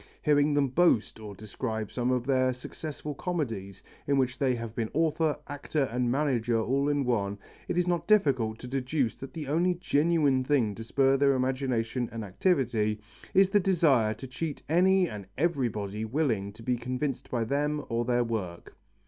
Hearing them boast, or describe some of their successful comedies in which they have been author, actor and manager all in one, it is not difficult to deduce that the only genuine thing to spur their imagination and activity is the desire to cheat any and everybody willing to be convinced by them or their work.